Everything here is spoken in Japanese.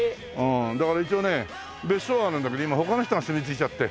だから一応ね別荘はあるんだけど今他の人が住み着いちゃって。